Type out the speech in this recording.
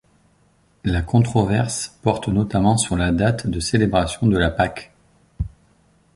La controverse porte notamment sur la date de célébration de la Pâques.